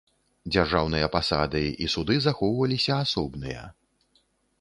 Дзяржаўныя пасады і суды захоўваліся асобныя.